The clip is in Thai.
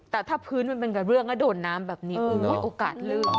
แต่ถ้าพื้นมันเป็นเรื่องก็โดนน้ำแบบนี้ไม่มีโอกาสเลื่อน